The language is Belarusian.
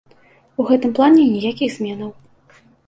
У гэтым плане ніякіх зменаў.